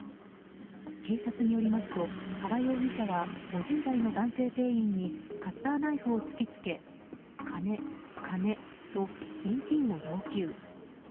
警察によりますと原容疑者は５０代の男性店員にカッターナイフを突き付け「金、金」と現金を要求。